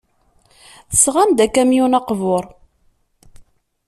Tesɣam-d akamyun aqbur.